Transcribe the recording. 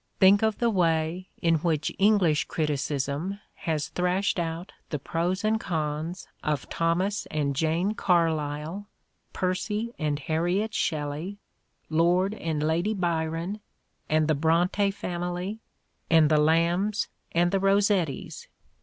Think of the way in which English criticism has thrashed out the pros and cons of Thomas and Jane Carlyle, Percy and Harriet Shelley, Lord and Lady Byron, and the Bronte family and the Lambs and the Eossettis!